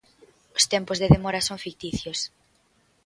Os tempos de demora son ficticios.